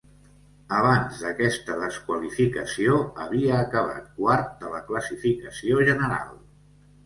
Abans d'aquesta desqualificació havia acabat quart de la classificació general.